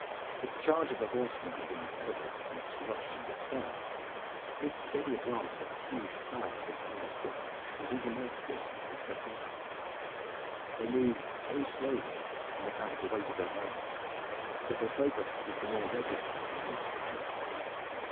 If the charge of the horsemen had been terrible from its rush and its fire, this steady advance of a huge phalanx of armored footmen was even more fearsome to the spectator. They moved very slowly, on account of the weight of their armor, but their progress was the more regular and inexorable.